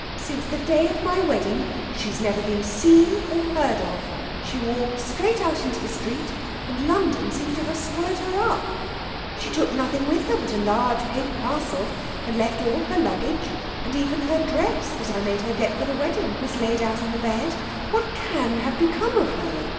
Since the day of my wedding she's never been seen or heard of. She walked straight out into the street, and London seems to have swallowed her up. She took nothing with her but a large paper parcel, and left all her luggage, and even her dress that I made her get for the wedding was laid out on the bed. What can have become of her?